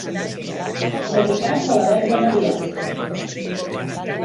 Dedicats a la Verge Maria.